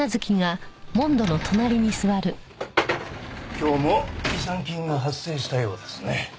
今日も違算金が発生したようですね。